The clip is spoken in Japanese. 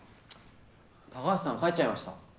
高橋さん帰っちゃいました。